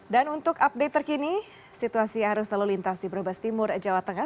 dan untuk update terkini situasi arus lalu lintas di brebes timur jawa tengah